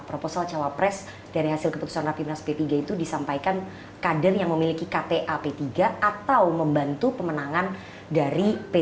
proposal cawapres dari hasil keputusan rapimnas p tiga itu disampaikan kader yang memiliki kta p tiga atau membantu pemenangan dari p tiga